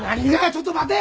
ちょっと待て！